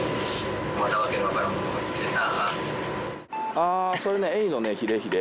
ああそれねエイのヒレヒレ。